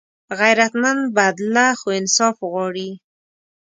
غیرتمند بدله خو انصاف غواړي